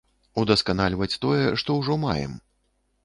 Удасканальваць тое, што ўжо маем.